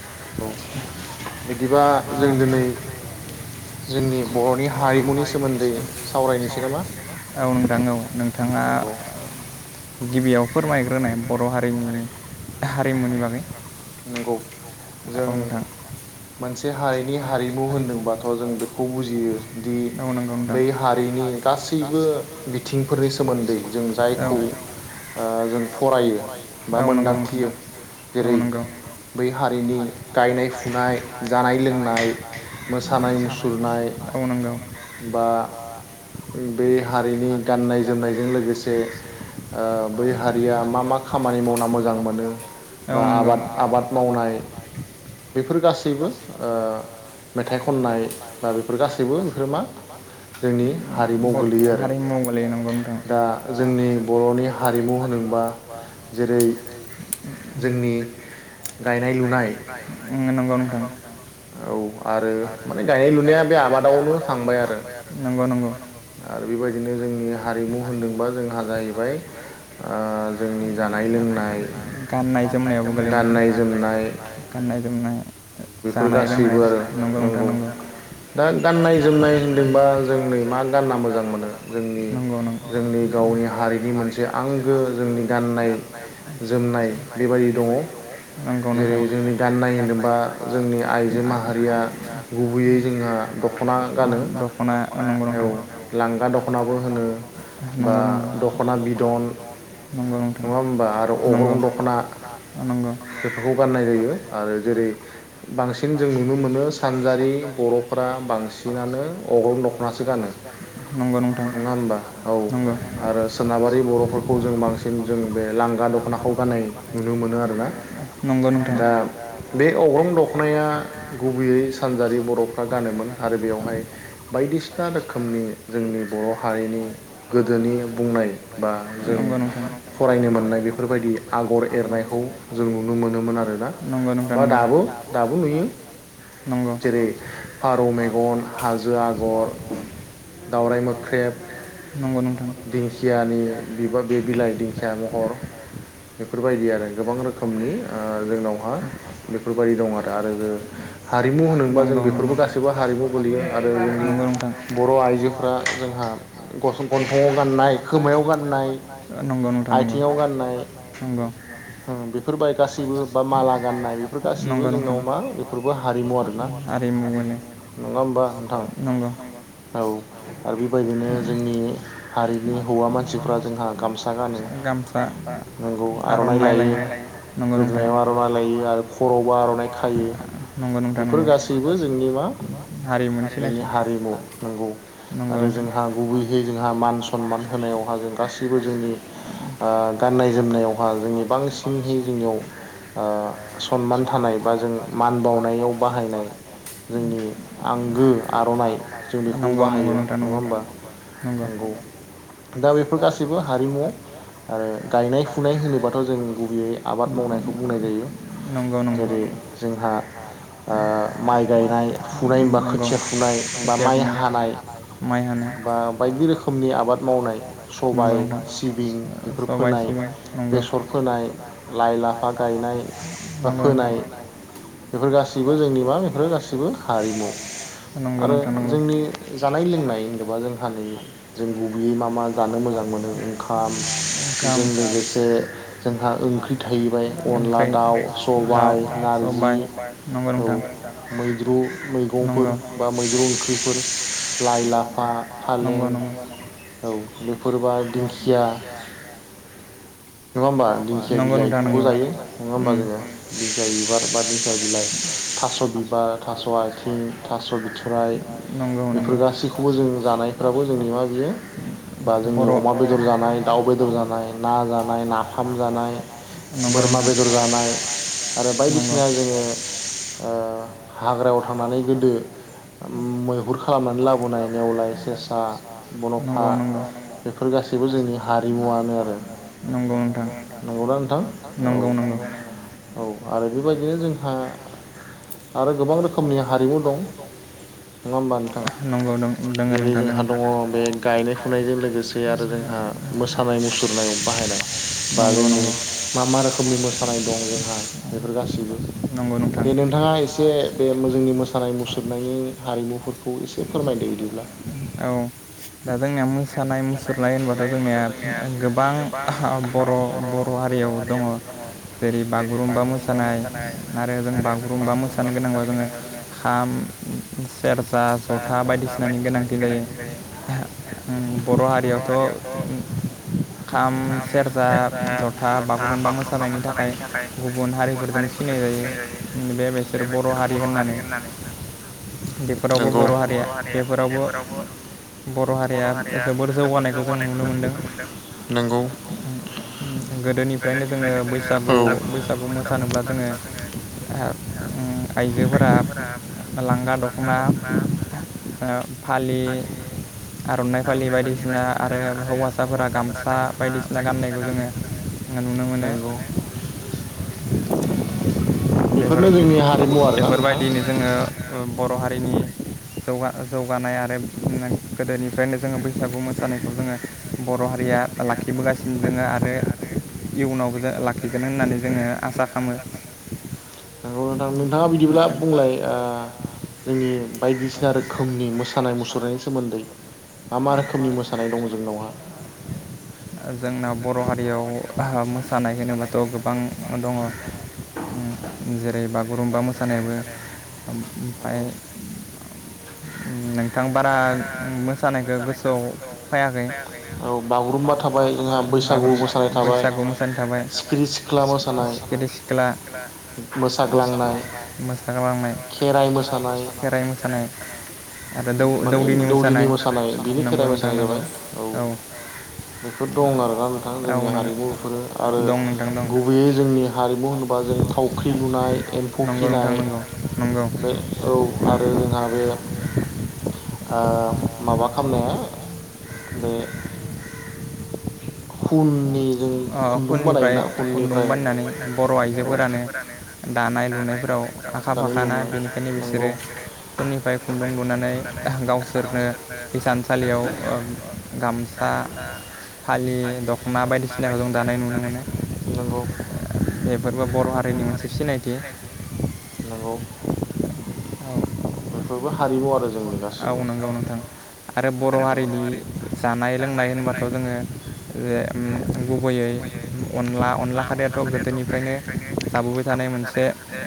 [unintelligible] औ बिदिबा जों दिनै जोंनि बर'नि हारिमुनि सोमोन्दै सावरायनोसै नामा नंगौ गिबियाव फोरमायग्रोनाय बर' हारिनि हारिमुनि बागै नंगौ जों मोनसे हारिनि हारिमु होनदोंबाथ' जों बेखौ बुजियो दि बै हारिनि गासै गासैबो बिथिंफोरनि सोमोन्दै जों जायखौ ओ जों फरायो बा मोन्दांथियो जेरै बै हारिनि गायनाय फुनाय जानाय लोंनाय मोसानाय मुसुरनाय बा बे हारिनि गाननाय जोमनायजों लोगोसे ओ बै हारिया मा मा खामानि मावना मोजां मोनो बा आबाद आबाद आबाद मावनाय बेफोर गासैबो ओ [unintelligible] [unintelligible] [unintelligible] [inaudible] जोंनि गायनाय लुनाय उम नंगौ नोंथां [unintelligible] औ आरो मने गायनाय लुनाया बे आबादाव थांबाय आरो नंगौ नंगौ आरो बेबायदिनो जोंनि हारिमु होनदोंबा जोंहा जाहैबाय जोंनि जानाय [unintelligible] गाननाय जोमनायावबो गोलैगोन [inaudible] औ बेफोर गासैबो आरो नांगौ [inaudible] दा गाननाय जोमनाय होनदोंबा जों नै मा गानना मोजां मोनो जोंनि जोंनि गावनि हारिनि मोनसे आंगो जोंनि गाननाय जोमनाय बेबायदि दंङ जेरै जोंनि गाननाय होनोबा जोंनि आइजो माहारिया गुबैयै जोंहा दखना गानो [inaudible] लांगा दखनाबो होनो बा दखना बिदन नङा होनबा आरो अग्रं दखना बेफोरखौ गाननाय जायो आरो जेरै बांसिन जों नुनो मोनो सानजारि बरफोरा बांसिनानो अग्रं दखनासो गानो [inaudible] नंङा होनबा औ आरो सोनाबारि बरफोरखौ जों बांसिन जों लांगा दखनाखौ गनाय नुनो मोनो आरोना दा बे अग्रं दख गुबैयै सानजारि बरफ्रा गानोमोन आरो बेवहाय बायदिसिना रोखोमनि जोंनि बर हारिनि गोदोनि बुंनाय बा जों फरायनो मोननाय बेफोरबायदि आगर एरनायखौ जों नुनो मोनोमोन आरोना बा दाबो नुयो जेरै फारौ मेगन हाजो आगर दावराय मोख्रेब दिंखियानि बिबार बे बिलाइ दिंखिया महर [unintelligible] बेफोरबायदि आरो गोबां रोखोमनि ओ जोंनावहा बेफोरबाय आरो ओं नंगौ नंगौंगौथां बर [unintelligible] जोंथ गनाय गनाय नौ नथानांगौ आथियाव गाननाय [inaudible] नंगौ नंगौौ [inaudible] मा बेफोरबो हारिमु आरोना नङा होमबा नोंथां? औ आरो बेबायदिनो जोंनि हारिनि हौवा मानसिफ्रा जोंहा गामसा गानो। नंगौ आरनाइ लायो गोदोनायाव आरनाइ लायो आरो खरआव आरनाइ खायो बेफोर गासैबो जोंनि मा जोंनि हारिमु नंगौ। आरो जोंहा गुबैयहै जोंहा मान सनमान होनायावहा जों गाससिबो जोंनि ओ गाननाय जोमनायावहा जोंनि बांसिनहै जोंनियाव ओ सनमान हानाय बा जों मान बावनायाव बाहायनाय जोंनि आंगो आरनाइ जों बेखौ बाहाय बाहायो नङा होमबा नंगौ। दा बेफोर गासैबो हारिमु आरो गायनाय फुनाय होनोबाथ जों गुबैयै आबाद माव मावनायखौ बुंनाय जायो जेरै जोंहा ओ माइ गायनाय फुनाय, बा खोथिया फुनाय, बा माइ हानाय ओ बायदि रोखोमनि आबाद मावनाय सबाय सिबिं बेफोर फोनाय बेसर फोनाय लाइ लाफा गायनाय। बा फोनाय बेफोर गासिबो जोंनि मा बेफोरो गाैबो हारिमु आरो जोंनि जानाय लोंन होनबा जों हानै जों गुबैयै मा मा जानो मोजां मोनो ओंखाम जों। लोगोसे जोंहा ओंख्रि थाहैबाय अनदला दाउ सबाइ ना। जि औ मैद्रु मैगंफोर बा मैद्रु ओंख्रिफोर लाइ लाफा फालें औ बेफोरबा दिंखिया। लांदां नङा होनबा दिंखिया बिलाइखौबो जायो नङा होमबा जोङो दिंखिया। बिबार बा बिफाय बिलाइ थास' बिबार थास' आथिं थास' बिथराइ [unintelligible] बेफोर गासैखौबो जों जानायफ्राबो जोंनि मा बियो बा जोंनि अमा बेदर जानाय दाउ बेदर ज बादर जानाय [unintelligible] बायदिसिना जोङो ओ हाग्रायाव थांनानै गोदो मैहुर खालामनानै लाबोनाय नेवला एसे मोसा बनफा बेफोर गासैबो जोंनि हारिमुवनो आरो। नंगौ ना नोंथां औ औ औ आरो बेबायदिनो जोंहा आरो गोबां रोखोमनि हारिमु दं [unintelligible] नङा होमबा नोंथां जेरै जोंहा दङ बे गायनाय फुनायजों लोगोसे आरो जोंहा मोसानाय मुसुरनायाव बाहायनाय बा जोंनि मा मा रोखोमनि मोसानाय दं जोंहा बेफोर गासैबो - - बे नोंथाङा एसे बे जोंनि मोसानाय मुसुरनायनि हारिमुफोरखौ एसे फोरमायदो बिदि ब्ला औ जागोन सानाय मुसुरनाय होनबाथ' जोंनिया गोबां बर' बर' हारियाव दङ जेरै बा बागुरुम्बा मोसानाय आरो जों बागुरुम्बा मोसानो गोनांबा जोङो खाम सेरजा जथा बायदिसिनानि गोनांथि जायो। ओम बर' हारियावथ' खाम सेरजा जथा बागुरुम्बा मोसानायनि थाखाय गुबुन हारिफोरजों सिनाय जायो बे बिसोर बर' हारि होननानै बेफोरावबो बर' हारिया बेफोरावबो बर' हारि हारिया ओ जोबोर जौगानायखौ जों नुनो मोनदों। ओम गोदोनिफ्रायनो जोङो बैसागु बैसा बैसागु मोसानोब्ला जोङो आ उम आइजोफोरा लांगा दखना ओ फालि आर'नाइ फालि बायदिसिना आरो हौवासाफोरा गामसा बायदिसिना गाननायखौ जोङो नुनो मोनो। [inaudible] बेफोर बेफोरबायदियैनो ओ जोङो बर' हारिनि जौगा जौगानाय आरो गोदोनि बेखायनो जोङो बैसागु मोसानायखौ जोङो बर' हारिया लाखिबोगासिनो दोङो आरो इयुनावबो जों लाखिगोन होननानै जोङो आसा खामो। नोंथाङा बिदिब्ला बुंलाय ओ जोंनि बायदिसिना रोखोमनि मोसानाय मुसुरनायनि सोमोन्दै मा मा रोखोमनि मोसानाय दं जोंहा? जोंना बर' हारियाव मोसानाय होनोबाथ' गोबां दङ। ओम जेरै बागुरुम्बा मोसा मोसानायाबो ओमफ्राय उम नों औ बागुरुम्बा थाबाय जोंहा बैसागु मोसानाय थाबाय, सिखिरि सिख्ला मोसानाय मोसाग्लांनाय मोसाग्लांनाय खेराइ मोसानाय आरो माने दौदिनि मोसानाय बिनो खेराइ मोसानाय जाबाय औ। बेफोर दं आरोना नोंथां जोंनि हारिमु बेफोरो आरो गुबैयै जोंनि हारिमु होन बा जों थावख्रि लुनाय एम्फौ फिनाय बे बे औ आरो जोंहा बे ओ माबा खामनाया बे खुननि ओ फोरनिफ्राय खुन्दुं बानायनानै बर' आइजोफोरानो दानाय लुनायफोराव आखा फाखाना बेनिखायनो बिसोरो फोरनिफ्राय खुन्दुं लुनानै गावसोरनो हिसानसालियाव ओ गामसा फालि दख'ना बायदिसि बायदिसिनाखौ जों दानाय नुनो मोनो। नंगौ। बेफोरबो हारिमु आरो औ नोंगौ नोंथां आरो बर' हारिनि जानाय लोंनाय होनबाथ' जोङो जे ओम गुबैयै अनला अनला खारैयाथ' गोदोनिफ्रायनो जाबोबाय थानाय बोबाय थानाय मोनसे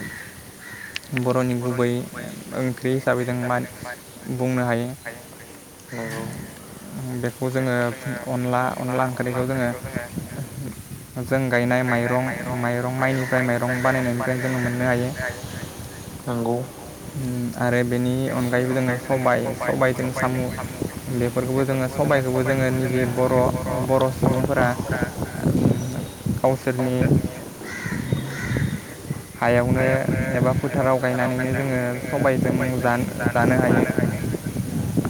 बर'नि गुबै ओंख्रि हिसाबै जों मान बुंनो हायो। बेखौ जोङो अनला अनला ओंख्रिखौ जोङो जों गायनाय माइरं माइरं माइनिफ्राय माइरं बानायनायनिफ्राय जोङो मोननो हायो। नंगौ उम आरो बेनि अनगायैबो जोङो सबाय सबायजों साम' बेफोरखौबो जों जोङो सबायखौबो जोङो निजि बर' अ बर' सुबुंफोरा आ उम गावसोरनि [unintelligible] हायावनो एबा फोथाराव गायनानैनो जोङो सबायजों जान-जानो हायो।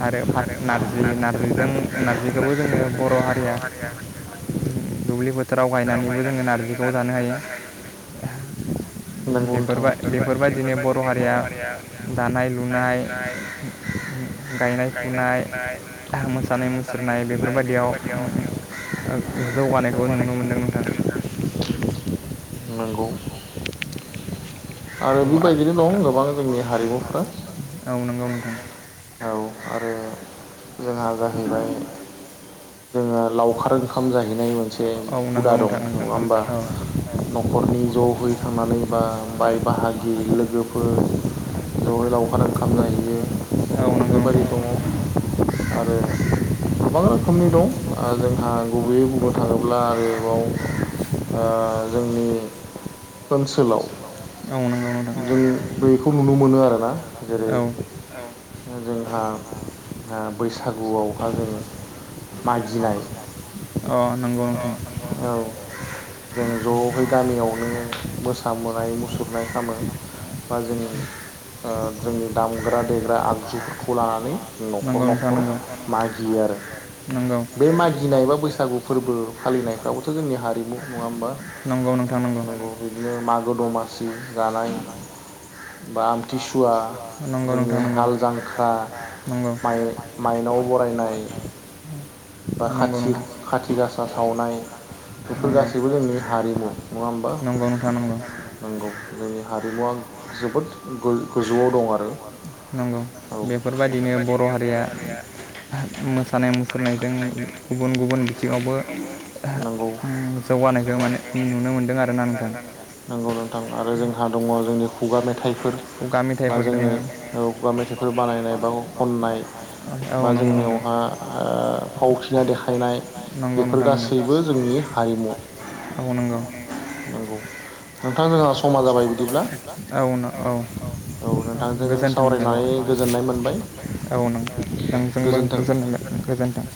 आरो फाथ नारजि नारजिजों नारजिखौबो जोङो बर' हारिया दुब्लि फोथाराव गायनानैबो जोङो नारजिखौ जानो हायो। बेफोरबाय बेफोरबायदिनो बर' हारिया दानाय लुनाय गायनाय फुनाय मोसानाय मुसुरनाय बेफोरबायदि बेफोरबायदियाव जौगानायखौ नुनो मोनदों जों। नंगौ आरो बेबायदिनो दं गोबां जोंनि हारिमुफ्रा औ नंगौ नोंथां। आरो जोंहा जाहैबाय जोङो लावखार ओंखाम जाहैनाय मोनसे [unintelligible] हुदा दं नङा होमबा न'खरनि ज' हैखांनानै बा बाय बाहागि लोगोफोर ज'यै लावखार ओंखाम जाहैयो। बेफोर बायदि दङ' आरो गोबां रो रोखोमनि दं आ जोंहा गुबैयै बुंनो थाङोब्ला आरोबाव आ जोंनि ओनसोलाव [unintelligible] जों बैखौ नुनो मोनो आरो ना। जेरै जोंहा आ बैसागुआवहा जोङो मागिनाय नंगौ नोंथां। जों ज'है गामियावनो मोसा मनाय मुसुरनाय खामो। बा जोङो ओ जोंनि दामग्रा देग्रा आगजुफोरखौ लानानै न'खर न'खर मागियो आरो बे मागिनाय बा बैसागु फोरबो फालिनायफ्राबोथ' जोंनि हारिमु। नङा होमबा? नंगौ नंगौ--नंगौ बिदिनो मागो दमासि जानाय बा आमथिसुवा जोंनि हाल जांख्रा माइ माइनाव बरायनाय बा खाथि खाथि गासा सावनाय बेफोर गासैबो जोंनि हारिमु। नङा होमबा? नंगौ जोंनि हारिमुवा जोबोद गो-गोजौआव दं आरो नंगौ बेफोरबायदिनो बर' हारिया मोसानाय मुसुरनायजों जों गुबुन गुबुन बिथिङावबो हा उमजौगानायखौ माने नुनो मोनदों आ नुदों आरो ना नोंथां। नंगौ नोंथां आरो जोंहा दङ' जोंनि खुगा मेथाइफोर दा जोंनि औ खुगा मेथाइफोर बानायनाय बा खननाय बा जोंनियावहा आ फावथिना देखायनाय नंगौ नोंथां नंगौ। औ नंगौ। नोंथां जोंहा समा जाबाय बिदिब्ला औ न औ। औ नोंथांजों सावरायनानै गोजोननाय मोनबाय। औ नों नोंजोंबो गोजोन [unintelligible] गोजोन्थों।